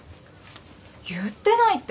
言ってないって。